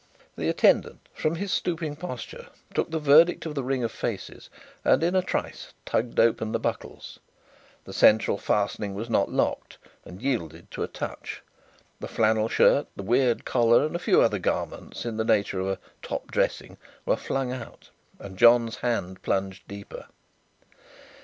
The attendant, from his stooping posture, took the verdict of the ring of faces and in a trice tugged open the two buckles. The central fastening was not locked, and yielded to a touch. The flannel shirt, the weird collar and a few other garments in the nature of a "top dressing" were flung out and John's hand plunged deeper....